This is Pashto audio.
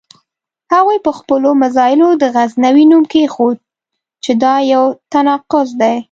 هغوی په خپلو مزایلو د غزنوي نوم کېښود چې دا یو تناقض دی.